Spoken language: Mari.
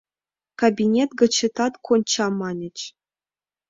Кабинет гычетат конча, маньыч...